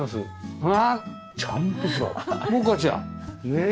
ねえ。